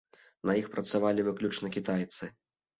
На іх працавалі выключна кітайцы.